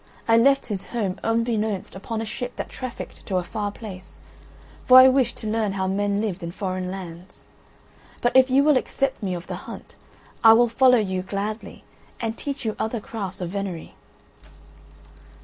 I left his home unbeknownst upon a ship that trafficked to a far place, for I wished to learn how men lived in foreign lands. But if you will accept me of the hunt I will follow you gladly and teach you other crafts of venery."